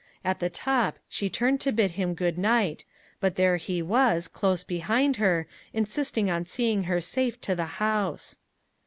At the top she turned to bid him good night, but there he was, close behind her, insisting on seeing her safe to the house.